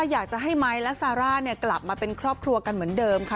อยากจะให้ไม้และซาร่ากลับมาเป็นครอบครัวกันเหมือนเดิมค่ะ